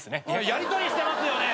やりとりしてますよね？